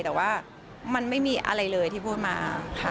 แต่ว่ามันไม่มีอะไรเลยที่พูดมาค่ะ